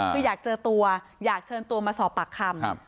คืออยากเจอตัวอยากเชิญตัวมาสอบปากคำ